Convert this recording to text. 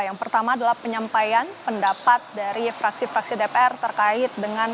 yang pertama adalah penyampaian pendapat dari fraksi fraksi dpr terkait dengan